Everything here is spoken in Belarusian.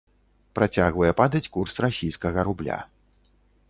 Працягвае падаць курс расійскага рубля.